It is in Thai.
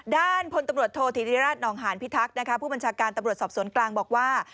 ด้านพลตำรวจโทษธิริราชนองหานพิทักษ์ผู้บัญชาการตำรวจสอบสวนกลางบอกว่า